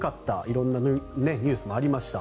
色んなニュースもありました。